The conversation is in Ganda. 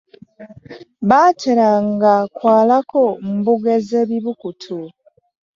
Baateranga kwalako mbugo ez'ebibukutu.